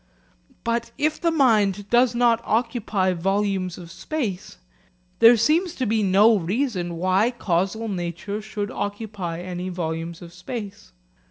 But if the mind does not occupy volumes of space, there seems to be no reason why causal nature should occupy any volumes of space.